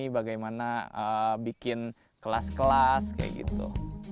bagaimana bikin kelas kelas kayak gitu